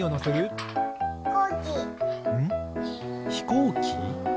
ひこうき？